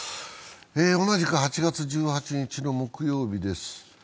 同じく８月１８日の木曜日です。